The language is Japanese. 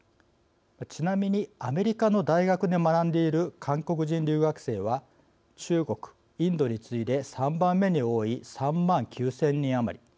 ちなみにアメリカの大学で学んでいる韓国人留学生は中国、インドに次いで３番目に多い３万９０００人余り。